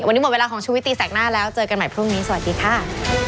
วันนี้หมดเวลาของชุวิตตีแสกหน้าแล้วเจอกันใหม่พรุ่งนี้สวัสดีค่ะ